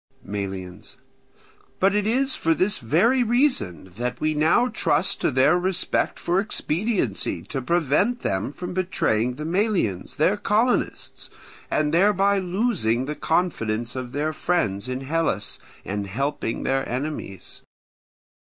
Melians. But it is for this very reason that we now trust to their respect for expediency to prevent them from betraying the Melians, their colonists, and thereby losing the confidence of their friends in Hellas and helping their enemies.